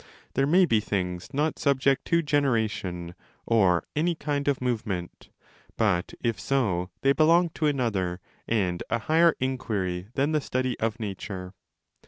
There may be things not subject to generation or any kind of move ment, but if so they belong to another and a higher inquiry 20 than the study of nature.